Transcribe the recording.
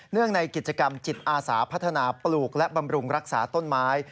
ในกิจกรรมจิตอาสาพัฒนาปลูกและบำรุงรักษาต้นไม้